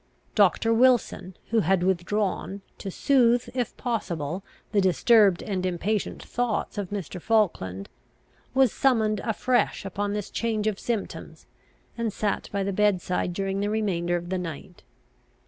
Doctor Wilson, who had withdrawn, to soothe, if possible, the disturbed and impatient thoughts of Mr. Falkland, was summoned afresh upon this change of symptoms, and sat by the bed side during the remainder of the night.